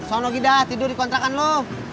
suara lo gila tidur di kontrakan lo